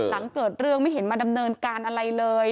หลังเกิดเรื่องไม่เห็นมาดำเนินการอะไรเลย